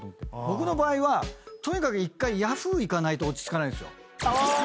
僕の場合はとにかく１回Ｙａｈｏｏ！いかないと落ち着かないんですよ。